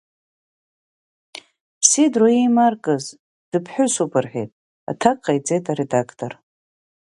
Сеидру еимаркыз, дыԥҳәысуп, — рҳәеит, аҭак ҟаиҵеит аредактор.